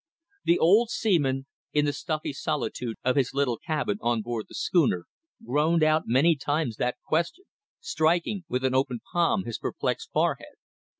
The old seaman in the stuffy solitude of his little cabin on board the schooner groaned out many times that question, striking with an open palm his perplexed forehead.